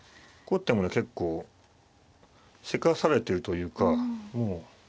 後手もね結構せかされてるというかもう。